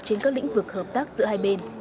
trên các lĩnh vực hợp tác giữa hai bên